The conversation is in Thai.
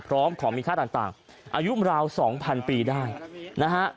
พร้อมของมีค่าต่างอายุราว๒๐๐ปีได้นะฮะ